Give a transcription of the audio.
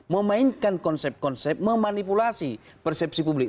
memainkan konsep konsep memanipulasi persepsi publik